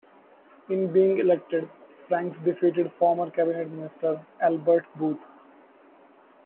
In being elected, Franks defeated former cabinet minister Albert Booth.